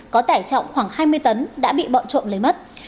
có tải trọng khoảng hai mươi tấn đã bị bọn trộm lấy mất